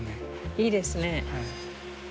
いいですね。